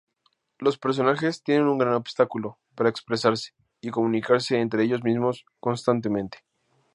Los personajes tienen un gran obstáculo para expresarse y comunicarse entre ellos mismos constantemente.